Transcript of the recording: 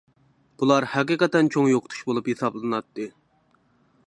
بۇلار ھەقىقەتەن چوڭ يوقىتىش بولۇپ ھېسابلىناتتى.